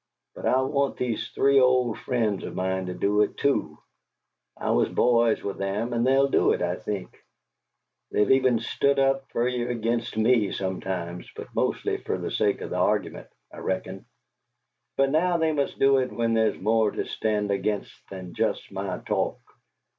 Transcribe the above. But I want these three old friends of mine to do it, too. I was boys with them and they'll do it, I think. They've even stood up fer you against me, sometimes, but mostly fer the sake of the argument, I reckon; but now they must do it when there's more to stand against than just my talk.